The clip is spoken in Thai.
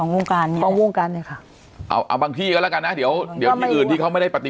ว่ายังไงครับทำไมหักไป๕๐๐๐